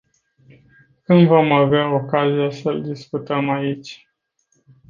Când vom avea ocazia să-l discutăm aici?